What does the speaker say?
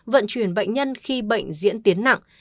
vận chuyển bệnh nhân khi bệnh diễn tiến nặng